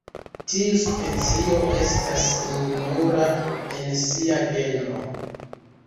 Tiu specio estas ununura en sia genro.